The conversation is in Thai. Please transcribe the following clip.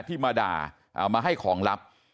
ที่มาด่ามาให้ของลับ